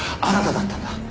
あなただったんだ。